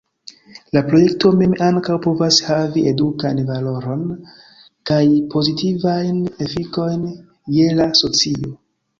La projekto mem ankaŭ povas havi edukan valoron kaj pozitivajn efikojn je la socio.